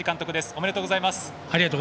ありがとうございます。